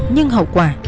nhưng hậu quả